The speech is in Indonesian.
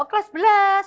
oh kelas belas